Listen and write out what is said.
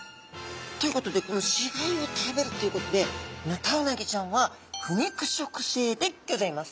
ということでこの死骸を食べるということでヌタウナギちゃんは腐肉食性でギョざいます。